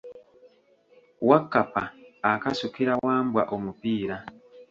Wakkapa akasukira Wambwa omupiira.